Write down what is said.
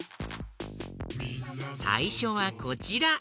さいしょはこちら。